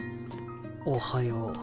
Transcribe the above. おはよう。